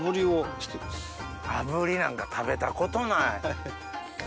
炙りなんか食べたことない。